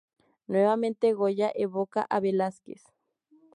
Nuevamente Goya evoca a Velázquez.